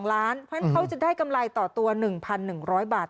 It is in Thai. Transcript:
เพราะฉะนั้นเขาจะได้กำไรต่อตัว๑๑๐๐บาท